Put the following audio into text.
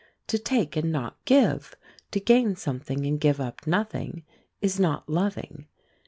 To take and not give, to gain something and give up nothing, is not loving.